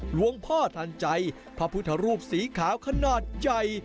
หลวงพ่อทันใจพระพุทธรูปสีขาวขนาดใหญ่